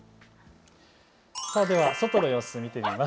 外の様子を見てみます。